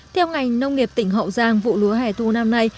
theo ngành nông nghiệp tỉnh hậu giang vụ lúa hẻ thu năm nay